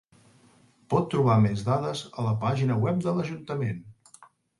Pot trobar més dades a la pàgina web de l'Ajuntament.